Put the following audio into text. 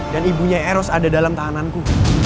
dan ibunya eros ada dalam tahananku